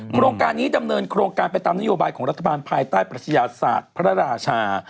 โครงการนี้ดำเนินโครงการไปตามนโยบายของรัฐบาลภายใต้ปรัชญาศาสตร์พระราชา